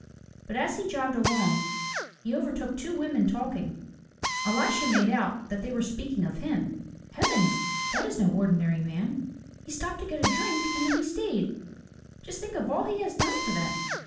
But as he jogged along he overtook two women talking. Elisha made out that they were speaking of him. "Heavens! That is no ordinary man. He stopped to get a drink and then he stayed. Just think of all he has done for them